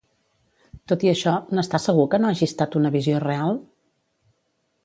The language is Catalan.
Tot i això, n'està segur que no hagi estat una visió real?